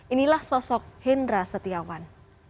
inilah sosok hendra setiawan